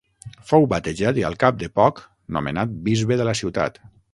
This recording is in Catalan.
Fou batejat i al cap de poc nomenat bisbe de la ciutat.